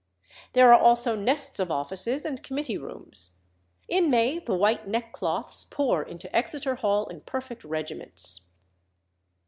There are also nests of offices and committee rooms. In May the white neckcloths pour into Exeter Hall in perfect regiments.